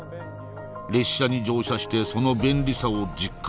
列車に乗車してその便利さを実感した。